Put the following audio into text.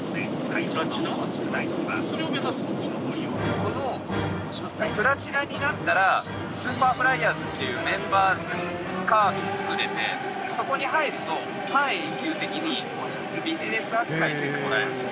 このプラチナになったらスーパーフライヤーズっていうメンバーズカードを作れてそこに入ると半永久的にビジネス扱いにしてもらえるんですよ。